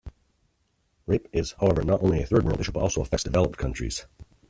Rape is, however, not only a third world issue but also affects developed countries.